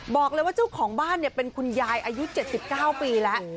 บอกเลยว่าเจ้าของบ้านเป็นคุณยายอายุ๗๙ปีแล้ว